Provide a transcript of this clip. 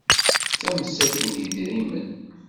D tamsalt n yidrimen.